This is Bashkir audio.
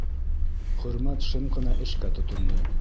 Хөрмәт шым ғына эшкә тотондо.